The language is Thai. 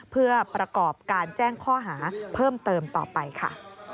เพื่อประกอบการแจ้งข้อหาเพิ่มเติมต่อไปค่ะ